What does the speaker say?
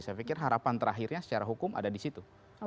saya pikir harapan terakhirnya secara hukum ada di situ